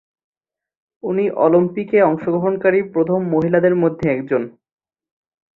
উনি অলিম্পিকে অংশগ্রহণকারী প্রথম মহিলাদের মধ্যে একজন।